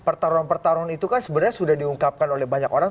pertarungan pertarungan itu kan sebenarnya sudah diungkapkan oleh banyak orang